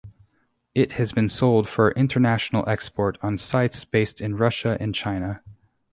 It has been sold for international export on sites based in Russia and China.